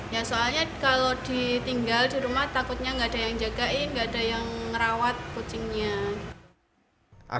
ya soalnya kalau ditinggal di rumah takutnya nggak ada yang jagain nggak ada yang ngerawat kucingnya